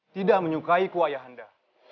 tidak menyukai ku ayah anda